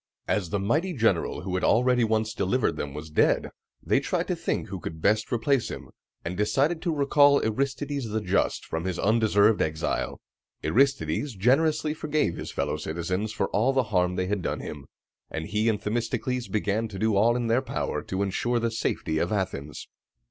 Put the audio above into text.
As the mighty general who had already once delivered them was dead, they tried to think who could best replace him, and decided to recall Aristides the Just from his undeserved exile. Aristides generously forgave his fellow citizens for all the harm they had done him, and he and Themistocles began to do all in their power to insure the safety of Athens.